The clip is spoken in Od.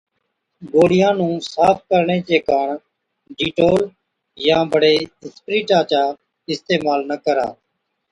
گوڙهِيان نُون صاف ڪرڻي چي ڪاڻ ڊيٽول يان بڙي اِسپرِيٽا چا اِستعمال نہ ڪرا